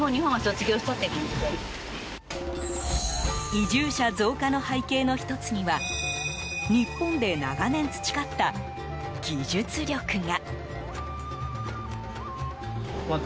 移住者増加の背景の１つには日本で長年培った技術力が。